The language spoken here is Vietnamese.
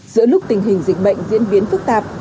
giữa lúc tình hình dịch bệnh diễn biến phức tạp